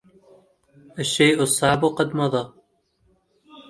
الشيء الصعب قد مضى.